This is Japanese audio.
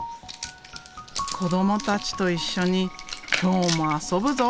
子どもたちと一緒に今日も遊ぶぞ！